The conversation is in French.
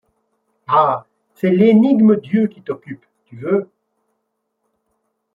Ah ! c’est l’énigme Dieu qui t’occupe ! Tu veux